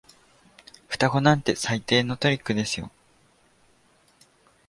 双子なんて最低のトリックですよ。